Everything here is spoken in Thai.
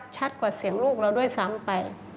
ชัดกว่าเสียงลูกเราด้วยซ้ำไป